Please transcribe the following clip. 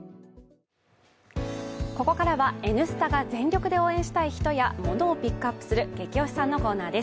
ここからは「Ｎスタ」が全力で応援したい人やモノをピックアップするゲキ推しさんのコーナーです。